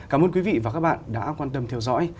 cảm ơn quý vị và các bạn đã quan tâm theo dõi